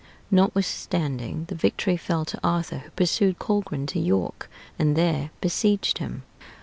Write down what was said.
Notwithstanding, the victory fell to Arthur, who pursued Colgrin to York, and there besieged him.